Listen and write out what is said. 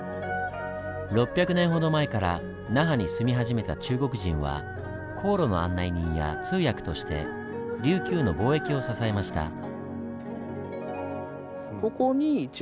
６００年ほど前から那覇に住み始めた中国人は航路の案内人や通訳として琉球の貿易を支えました。